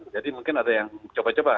jadi mungkin ada yang coba coba